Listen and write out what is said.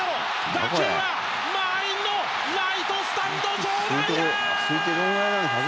打球は満員のライトスタンド上段へ！